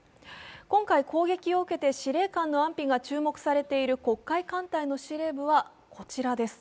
今回、攻撃を受けて司令官の安否が注目されている黒海艦隊の司令部はこちらです。